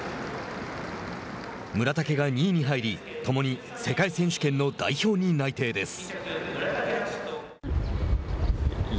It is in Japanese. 村竹が２位に入り共に世界選手権の代表に内定です。